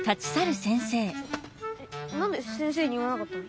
えっなんで先生に言わなかったの？